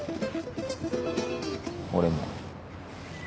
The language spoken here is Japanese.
俺も。